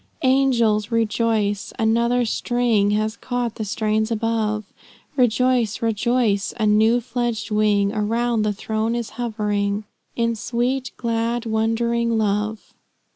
"Angels, rejoice! another string Has caught the strains above, Rejoice, rejoice! a new fledged wing Around the throne is hovering, In sweet, glad, wondering love."